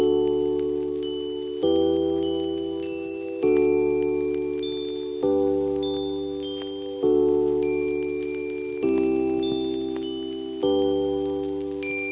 aku menang dulu hidup vertno